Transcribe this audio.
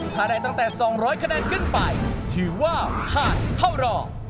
ถ้าได้ตั้งแต่๒๐๐คะแนนขึ้นไปถือว่าผ่านเข้ารอ